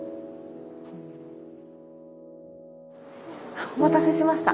あっお待たせしました。